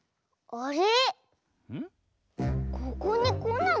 あれ？